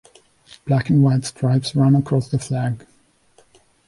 Black and white stripes run across the flag.